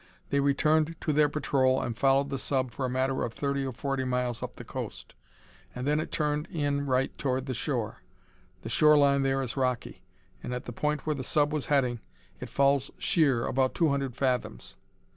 They returned to their patrol and followed the sub for a matter of thirty or forty miles up the coast, and then it turned in right toward the shore. The shore line there is rocky, and, at the point where the sub was heading, it falls sheer about two hundred fathoms.